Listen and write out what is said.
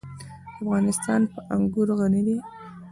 افغانستان په انګور غني دی.